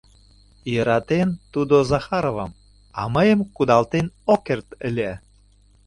Йӧратен тудо Захаровам, а мыйым кудалтен ок керт ыле.